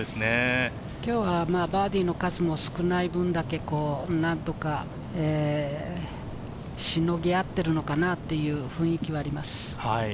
今日はバーディーの数が少ない分だけ、しのぎ合っているのかなという雰囲気があります。